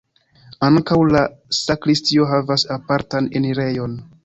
Ankaŭ la sakristio havas apartan enirejon.